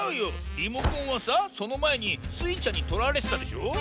リモコンはさそのまえにスイちゃんにとられてたでしょ？